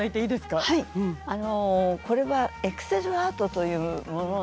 これはエクセルアートというもの。